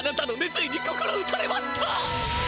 ついに心打たれました！